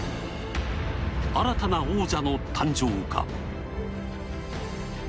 新たな王者の誕生か。